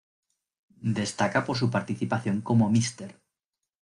Destaca su participación como Mr.